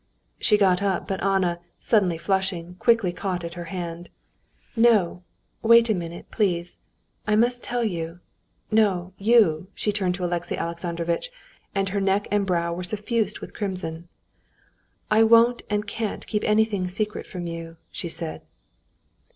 She got up, but Anna, suddenly flushing, quickly caught at her hand. "No, wait a minute, please. I must tell you ... no, you." she turned to Alexey Alexandrovitch, and her neck and brow were suffused with crimson. "I won't and can't keep anything secret from you," she said.